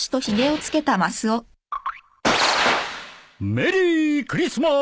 メリークリスマス！